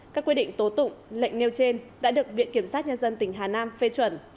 các quyết định tố tụng lệnh nêu trên đã được viện kiểm sát nhân dân tỉnh hà nam phê chuẩn